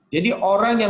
jadi orang yang